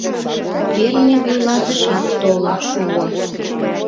Ферме вуйлатышат толын шуо.